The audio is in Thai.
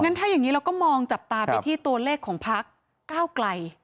ถ้าอย่างนี้เราก็มองจับตาไปที่ตัวเลขของพักก้าวไกล